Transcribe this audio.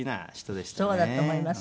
そうだと思います。